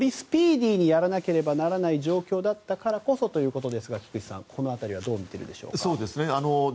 よりスピーディーにやらなければいけない状況だったからこそということですが菊地さん、この辺りはどう見ているでしょうか。